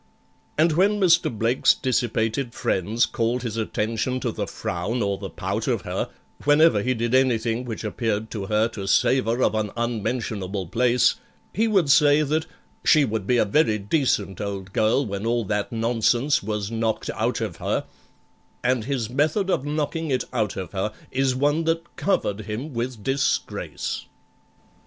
And when MR. BLAKE'S dissipated friends called his attention to the frown or the pout of her, Whenever he did anything which appeared to her to savour of an unmentionable place, He would say that "she would be a very decent old girl when all that nonsense was knocked out of her," And his method of knocking it out of her is one that covered him with disgrace.